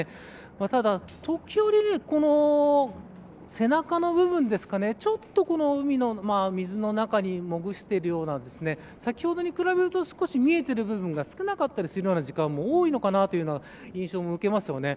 ただ、時折背中の部分ですかねちょっと海の水の中に黙しているような先ほどに比べると見えてる部分が少なかったりする時間も多いのかなというのが印象も受けますよね。